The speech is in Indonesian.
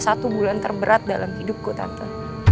satu bulan terberat dalam hidupku tante